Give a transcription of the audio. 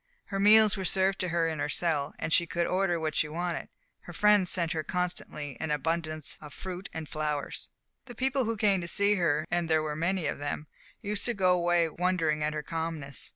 Her meals were served to her in her cell, and she could order what she wanted. Her friends sent her constantly an abundance of fruit and flowers. The people who came to see her, and there were many of them, used to go away wondering at her calmness.